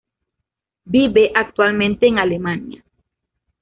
Vive actualmente en Alemania.